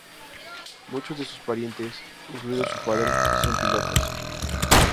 Muchos de sus parientes, incluido su padre, son pilotos.